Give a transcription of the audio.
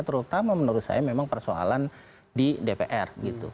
terutama menurut saya memang persoalan di dpr